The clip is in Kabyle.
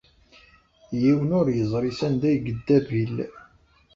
Yiwen ur yeẓri sanda ay yedda Bill.